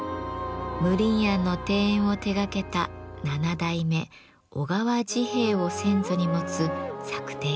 無鄰菴の庭園を手がけた七代目小川治兵衞を先祖に持つ作庭家です。